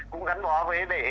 cũng gắn bó với đề